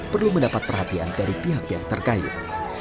perlu mendapat perhatian dari pihak pihak terkait